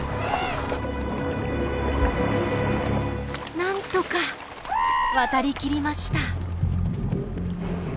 なんとか渡り切りました。